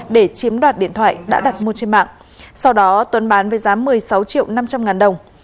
để chiếm đoạt điện thoại đã đặt mua trên mạng sau đó tuấn bán với giá một mươi sáu triệu năm trăm linh ngàn đồng